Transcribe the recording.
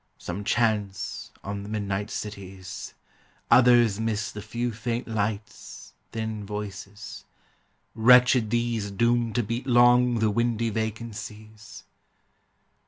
Some chance on the midnight cities. Others miss The few faint lights, thin voices. Wretched these Doomed to beat long the windy vacancies